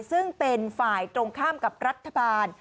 ซึ่งเป็นฝ่ายตรงข้ามกับรัฐบาล